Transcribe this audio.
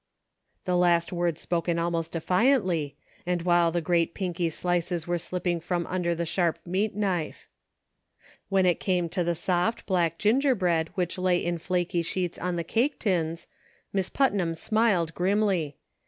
The last words spoken almost defiantly, and while the great pinky slices were slipping from under the sharp meat knife. When it came to the soft, black gingerbread which lay in flaky sheets on the cake tins. Miss Putnam smiled grimly.